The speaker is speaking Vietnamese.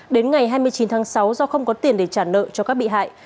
đến ngày hai mươi chín tháng sáu do không có tiền để trả nợ cho các bị hại